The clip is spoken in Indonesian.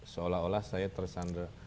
seolah olah saya tersandra